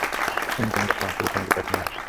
হুম তুমি বসো, আমি পুরো ফ্যামিলি প্যাক নিয়ে আসছি।